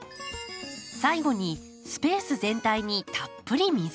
最後にスペース全体にたっぷり水やり。